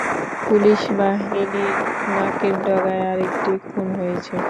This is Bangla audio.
পুলিশবাহিনীর নাকের ডগায় আরেকটি খুন হয়েছে।